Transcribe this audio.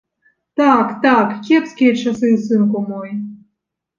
Так, так, кепскія часы, сынку мой!